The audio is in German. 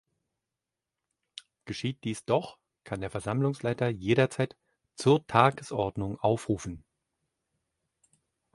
Geschieht dies doch, kann der Versammlungsleiter jederzeit „zur Tagesordnung aufrufen“.